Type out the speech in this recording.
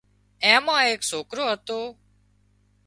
اين مان ايڪ سوڪرو هتو